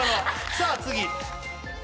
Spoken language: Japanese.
さあ次。